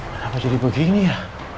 kenapa jadi begini ya